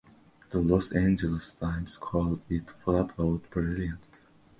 The "Los Angeles Times" called it "flat out brilliant".